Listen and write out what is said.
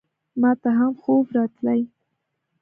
ماته هم خوب راتلی !